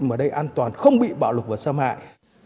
mà đây an toàn không bị bạo lực và xâm hại